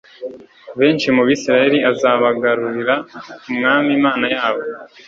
Benshi mu BIsiraheli azabagarurira ku Mwami Imana yabo,